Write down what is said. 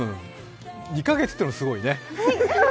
２か月っていうのもすごいね。